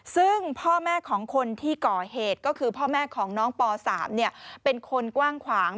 ซึ่งพ่อแม่ของคนที่ก่อเหตุก็คือพ่อแม่ของน้องป๓เป็นคนกว้างขวาง